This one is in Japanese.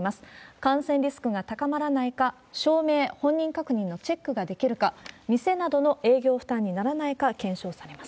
感染リスクが高まらないか、証明、本人確認のチェックができるか、店などの営業負担にならないか検証されます。